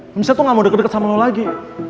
maksudnya tuh gak mau deket deket sama lo lagi